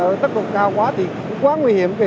nếu mà mình cố gắng chạy mà tốc độ cao quá thì quá nguy hiểm